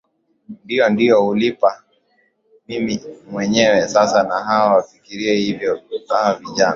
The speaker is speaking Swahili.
ndio ndio hulipa mimi mwenyewe sasa na hawa wafikirie hivyo hawa vijana